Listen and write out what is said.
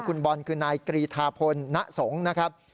คุณบอลคือนายกรีธาพลณสงฆ์นะครับ